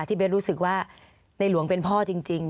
เบสรู้สึกว่าในหลวงเป็นพ่อจริง